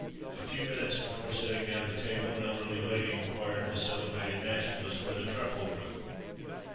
A few minutes before setting down to table, an elderly lady inquired of the celebrated naturalist where the truffle grew.